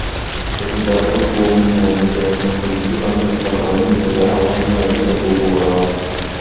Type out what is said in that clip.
وَإِذا أُلقوا مِنها مَكانًا ضَيِّقًا مُقَرَّنينَ دَعَوا هُنالِكَ ثُبورًا